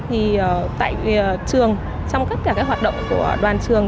thì tại trường trong tất cả các hoạt động của đoàn trường